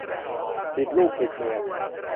ผิดลูกผิดเมีย